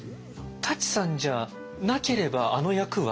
舘さんじゃなければあの役は。